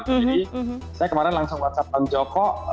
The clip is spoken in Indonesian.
jadi saya kemarin langsung whatsapp joko